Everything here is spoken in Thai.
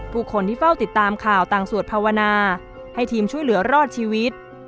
ผู้คนที่เฝ้าติดตามข่าวต่างสวดภาวนาให้ทีมช่วยเหลือรอดชีวิต